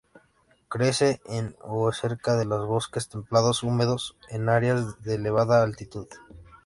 Crece en o cerca de los bosques templados húmedos en áreas de elevada altitud.